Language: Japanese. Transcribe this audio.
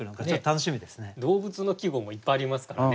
動物の季語もいっぱいありますからね。